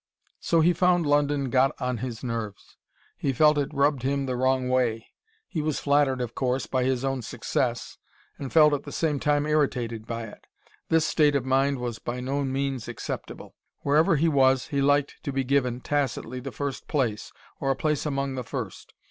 So he found London got on his nerves. He felt it rubbed him the wrong way. He was flattered, of course, by his own success and felt at the same time irritated by it. This state of mind was by no means acceptable. Wherever he was he liked to be given, tacitly, the first place or a place among the first.